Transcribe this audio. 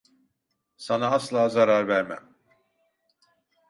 Sana asla zarar vermem.